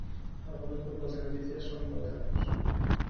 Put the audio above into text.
Algunos grupos de noticias son moderados.